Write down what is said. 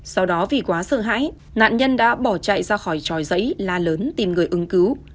sau đó vì quá sợ hãi nạn nhân đã bỏ chạy ra khỏi tròi giấy la lớn tìm người ứng cứu